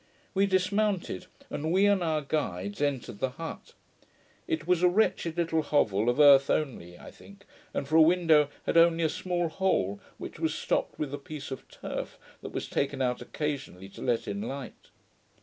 We dismounted, and we and our guides entered the hut. It was a wretched little hovel of earth only, I think, and for a window had only a small hole, which was stopped with a piece of turf, that was taken out occasionally to let in light.